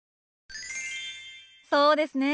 そうですね。